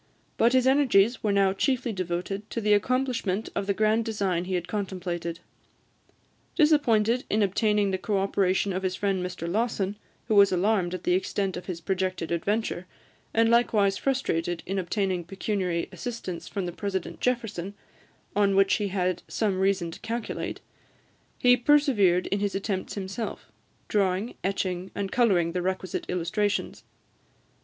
But his energies were now chiefly devoted to the accomplishment of the grand design he had contemplated. Disappointed in obtaining the co operation of his friend Mr Lawson, who was alarmed at the extent of his projected adventure, and likewise frustrated in obtaining pecuniary assistance from the President Jefferson, on which he had some reason to calculate, he persevered in his attempts himself, drawing, etching, and colouring the requisite illustrations.